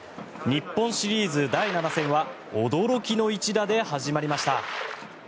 日本シリーズ第７戦は驚きの一打で始まりました。